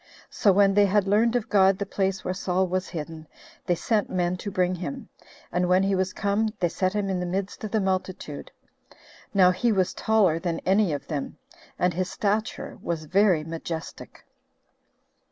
So when they had learned of God the place where Saul was hidden, they sent men to bring him; and when he was come, they set him in the midst of the multitude. Now he was taller than any of them, and his stature was very majestic.